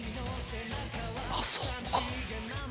あっそこか。